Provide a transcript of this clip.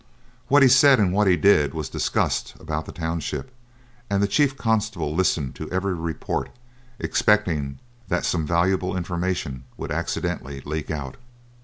What he said and what he did was discussed about the township, and the chief constable listened to every report, expecting that some valuable information would accidentally leak out.